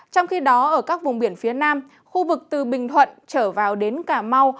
trong khi đó ở các vùng biển phía nam khu vực từ bình thuận trở vào đến cà mau